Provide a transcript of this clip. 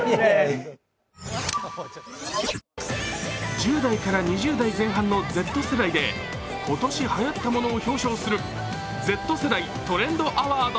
１０代から２０代前半のＺ世代で今年はやったものを表彰するＺ世代トレンドアワード。